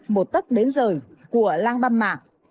một tất đến rời của lang băm mạng